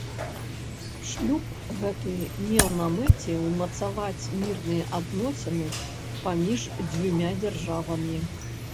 Шлюб гэты меў на мэце ўмацаваць мірныя адносіны паміж дзвюма дзяржавамі.